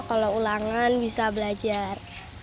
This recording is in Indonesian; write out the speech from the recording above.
pelanggan bisa belajar